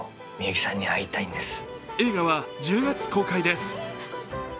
映画は１０月公開です。